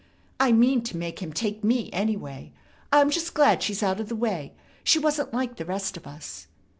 I mean to make him take me, anyway. I'm just glad she's out of the way. She wasn't like the rest of us."